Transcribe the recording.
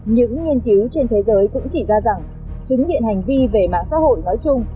những nghiên cứu trên thế giới cũng chỉ ra rằng chứng điện hành vi về mạng xã hội nói chung